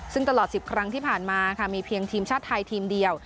ซึ่งตลอด๑๐ครั้งที่ผ่านมาค่ะมีเพียงทีมชาติไทยทีมเดียว